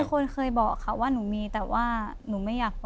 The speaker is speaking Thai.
คนเคยบอกค่ะว่าหนูมีแต่ว่าหนูไม่อยากบอก